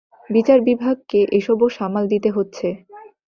বিচার বিভাগকে এসবও সামাল দিতে হচ্ছে।